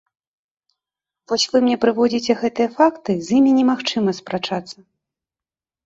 Вось вы мне прыводзіце гэтыя факты, з імі немагчыма спрачацца.